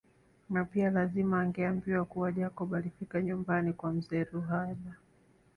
Na pia lazima angeambiwa kuwa Jacob alifika nyumbani kwa mzee Ruhala